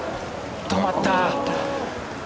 止まった。